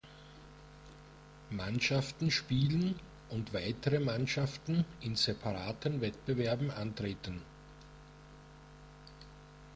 Mannschaften spielen und weitere Mannschaften in separaten Wettbewerben antreten.